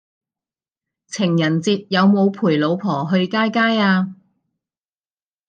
情人節有無陪老婆去街街呀